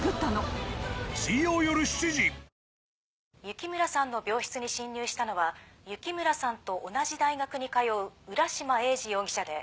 雪村さんの病室に侵入したのは雪村さんと同じ大学に通う浦島エイジ容疑者で。